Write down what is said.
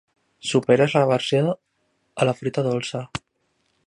Superes l'aversió a la fruita dolça.